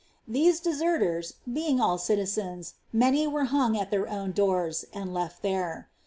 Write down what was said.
Thene deserters being all citizens, many were hung at their own doors, and lef^ there.